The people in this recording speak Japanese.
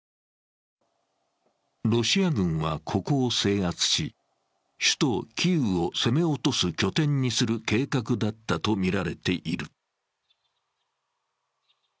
ロシア軍はここを制圧し、首都キーウを攻め落とす拠点にする計画だったとみられている。